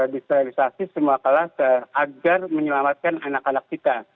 disterilisasi semua kelas agar menyelamatkan anak anak kita